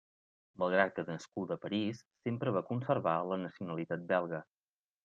Malgrat que nascuda a París sempre va conservar la nacionalitat belga.